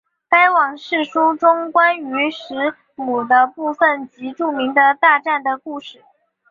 该往世书中关于时母的部分即著名的大战的故事。